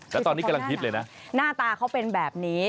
แล้วตอนนี้กำลังฮิตเลยนะหน้าตาเขาเป็นแบบนี้